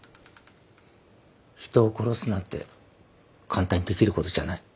人を殺すなんて簡単にできることじゃない。